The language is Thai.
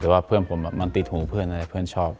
แต่ว่าเพื่อนผมมันติดหูเพื่อนอะไรเพื่อนชอบ